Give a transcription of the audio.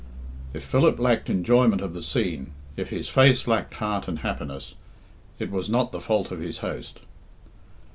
If Philip lacked enjoyment of the scene, if his face lacked heart and happiness, it was not the fault of his host.